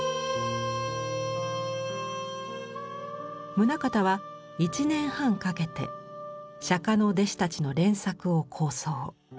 棟方は１年半かけて釈の弟子たちの連作を構想。